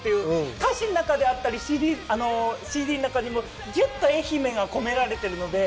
歌詞の中やＣＤの中にもきゅっと愛媛が込められているので。